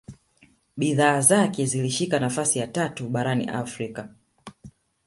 bidhaa zake zilishika nafasi ya tatu barani afrika